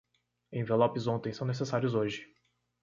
Envelopes ontem são necessários hoje.